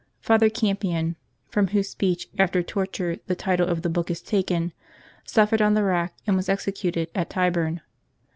Father Campion (from whose speech after torture the title of the book is taken) suffered on the rack and was executed at Tyburn.